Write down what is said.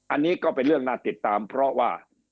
อันนี้ก็เป็นเรื่องน่าติดตามเพราะว่า